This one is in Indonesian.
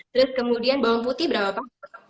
terus kemudian bawang putih berapa pak